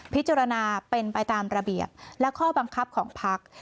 พิจารณาเป็นไปตามระเบียบและข้อบังคับของพัก